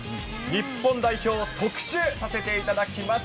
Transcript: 日本代表の特集させていただきます。